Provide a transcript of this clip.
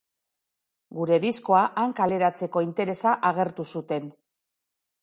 Gure diskoa han kaleratzeko interesa agertu zuten.